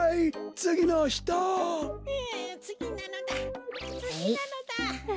つぎなのだ。